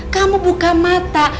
kamu buka mata